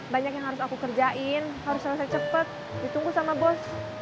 banyak yang harus aku kerjain harus selesai cepat ditunggu sama bos